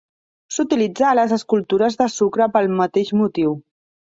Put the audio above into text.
S"utilitza a les escultures de sucre pel mateix motiu.